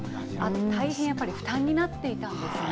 大変やっぱり負担になっていたんですね。